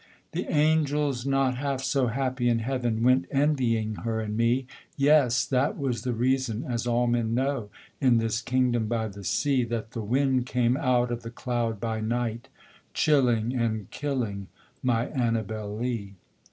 The angels, not half so happy in heaven, Went envying her and me Yes! that was the reason (as all men know, In this kingdom by the sea) That the wind came out of the cloud by night, Chilling and killing my Annabel Lee.